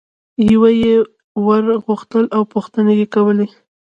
یوه یي ور غوښتل او پوښتنې یې کولې.